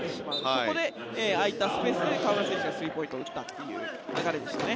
そこで空いたスペースで河村選手がスリーポイントを打ったという流れでしたね。